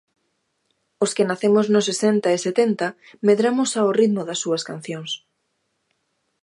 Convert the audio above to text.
Os que nacemos nos sesenta e setenta medramos ao ritmo das súas cancións.